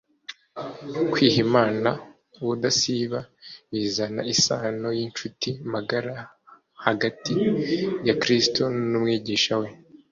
kwiha imana ubudasiba bizana isano y’incuti magara hagati ya kristo n’umwigishwa we